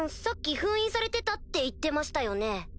さっき封印されてたって言ってましたよね？